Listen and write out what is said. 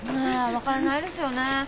分からないですよねえ。